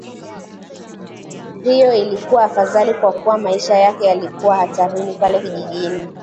Hiyo ilikuwa afadhali kwa kuwa maisha yake yalikuwa hatarini pale kijijini